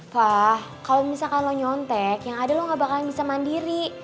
wah kalau misalkan lo nyontek yang ada lo gak bakalan bisa mandiri